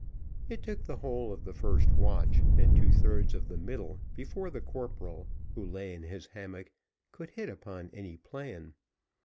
It took the whole of the first watch, and two thirds of the middle, before the corporal, who lay in his hammock, could hit upon any plan.